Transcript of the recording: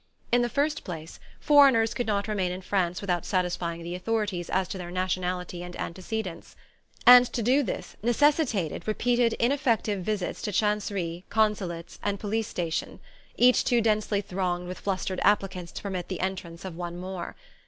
In the first place, foreigners could not remain in France without satisfying the authorities as to their nationality and antecedents; and to do this necessitated repeated ineffective visits to chanceries, consulates and police stations, each too densely thronged with flustered applicants to permit the entrance of one more.